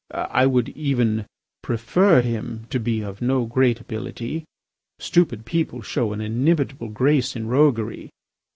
I would even prefer him to be of no great ability. Stupid people show an inimitable grace in roguery.